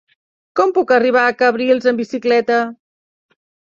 Com puc arribar a Cabrils amb bicicleta?